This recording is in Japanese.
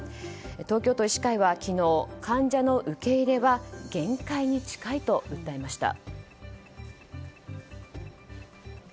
東京都医師会は昨日患者の受け入れは限界に近いと訴えました。